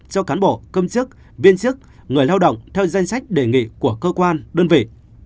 cho cán bộ công chức viên chức người lao động theo danh sách đề nghị của cơ quan đơn vị